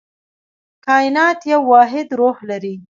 کائنات یو واحد روح لري.